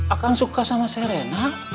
akan suka sama serena